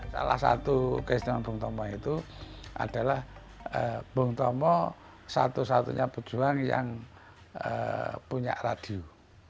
salah satu keistirahatan bung tomo itu adalah bung tomo satu satunya pejuang yang punya radio